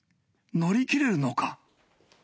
乗り切れるのか？